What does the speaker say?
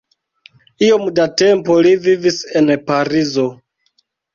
Iom da tempo li vivis en Parizo.